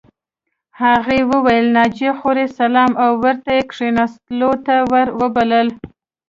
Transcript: هغه وویل ناجیه خور سلام او ورته کښېناستلو ته ور وبلله